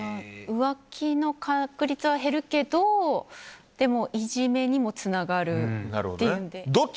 浮気の確率は減るけどでもいじめにもつながる。